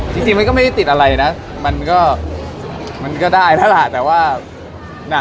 จริงจริงมันก็ไม่ได้ติดอะไรนะมันก็มันก็ได้แล้วล่ะแต่ว่าน่ะ